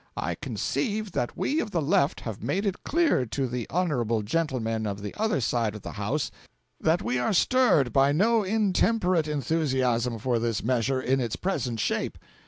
I conceive that we of the Left have made it clear to the honourable gentlemen of the other side of the House that we are stirred by no intemperate enthusiasm for this measure in its present shape....